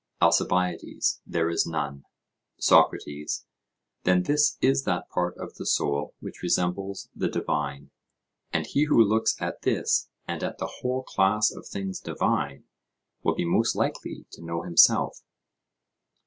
ALCIBIADES: There is none. SOCRATES: Then this is that part of the soul which resembles the divine; and he who looks at this and at the whole class of things divine, will be most likely to know himself?